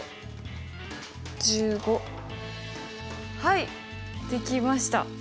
はいできました。